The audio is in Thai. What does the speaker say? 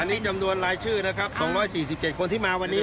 อันนี้จำนวนรายชื่อนะครับสองร้อยสี่สิบเจ็ดคนที่มาวันนี้